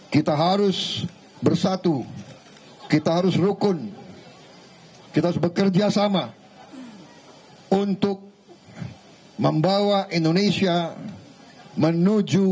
kita harus bersatu kita harus rukun kita harus bekerja sama untuk membawa indonesia menuju